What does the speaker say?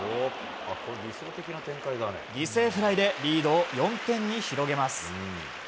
犠牲フライでリードを４点に広げます。